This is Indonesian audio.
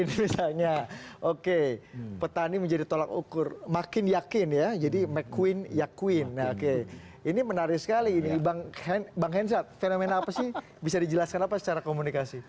misalnya oke petani menjadi tolak ukur makin yakin ya jadi mcquine yaquine oke ini menarik sekali ini bang hensat fenomena apa sih bisa dijelaskan apa secara komunikasi